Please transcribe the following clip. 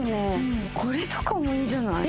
これとかもいいんじゃない？